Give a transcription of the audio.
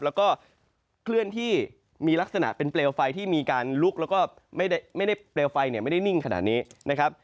แล้วก็เคลื่อนที่มีลักษณะเป็นเปลวไฟที่มีการลุกแล้วก็ไม่ได้เปลวไฟเนี่ยไม่ได้นิ่งขนาดนี้นะครับ